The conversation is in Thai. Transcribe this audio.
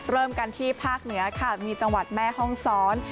เริ่มกันที่ภาคเหนือค่ะมีจังหวัดแม่ห้องซ้อน